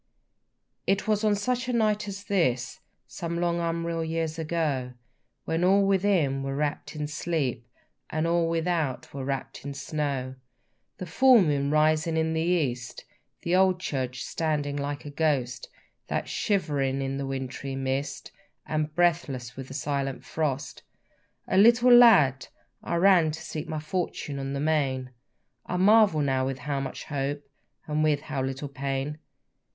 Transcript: It was on such a night as this, Some long unreal years ago, When all within were wrapp'd in sleep, And all without was wrapp'd in snow, The full moon rising in the east, The old church standing like a ghost, That, shivering in the wintry mist, And breathless with the silent frost, A little lad, I ran to seek my fortune on the main; I marvel now with how much hope and with how little pain!